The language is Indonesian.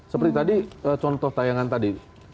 seperti tadi contoh tayangan tadi